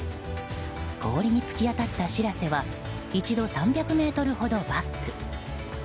氷に突き当たった「しらせ」は一度３００ｍほどバック。